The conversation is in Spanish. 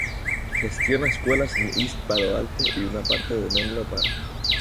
Gestiona escuelas en East Palo Alto y una parte de Menlo Park.